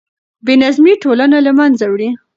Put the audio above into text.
بې نظمي ټولنه له منځه وړي.